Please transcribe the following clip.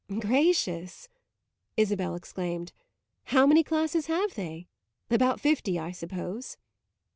"Gracious," Isabel exclaimed; "how many classes have they? About fifty, I suppose."